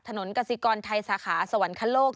กสิกรไทยสาขาสวรรคโลก